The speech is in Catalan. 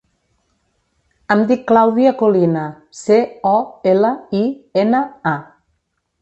Em dic Clàudia Colina: ce, o, ela, i, ena, a.